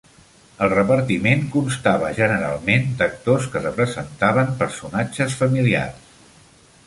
El repartiment constava generalment d'actors que representaven personatges familiars.